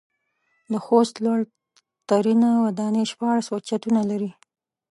د خوست لوړ ترينه وداني شپاړس چتونه لري.